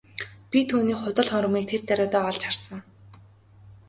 Би түүний худал хуурмагийг тэр даруйдаа олж харсан.